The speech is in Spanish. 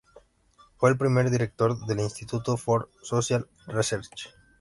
Fue el primer director del Institute for Social Research.